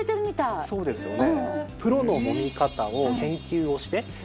普段そうですよね。